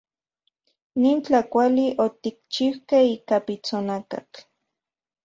Nin tlakuali otikchijkej ika pitsonakatl.